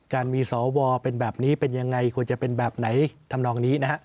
การมีสวเป็นแบบนี้เป็นยังไงควรจะเป็นแบบไหนทำนองนี้นะฮะ